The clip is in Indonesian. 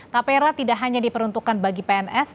tapera tidak hanya diperuntukkan bagi pns